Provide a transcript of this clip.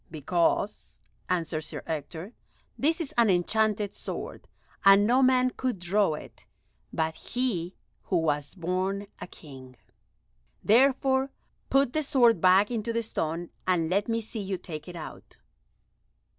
"Because," answered Sir Ector, "this is an enchanted sword, and no man could draw it but he who was born a King. Therefore put the sword back into the stone, and let me see you take it out."